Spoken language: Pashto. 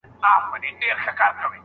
اسلامي حکومت خلګ نه پلوري.